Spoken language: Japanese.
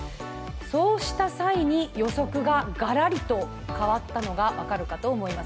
そうした際に予測がガラリと変わったのが分かると思います。